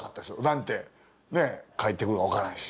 何て返ってくるか分からんし。